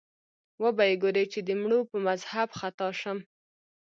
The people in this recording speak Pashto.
وبه یې ګورې چې د مړو په مذهب خطا شم